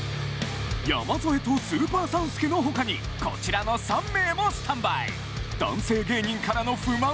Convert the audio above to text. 山添とスーパー３助の他にこちらの３名もスタンバイ！